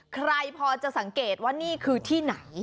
ใครพอจะสังเกตว่านี่คือที่ไหน